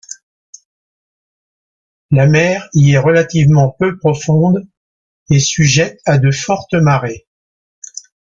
La mer y est relativement peu profonde et sujette à de fortes marées.